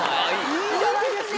いいじゃないですか！